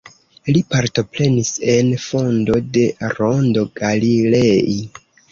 Li partoprenis en fondo de Rondo Galilei.